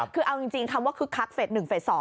คือเอาจริงคำว่าคึกคักเฟส๑เฟส๒